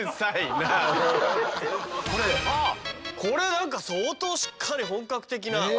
これ何か相当しっかり本格的な。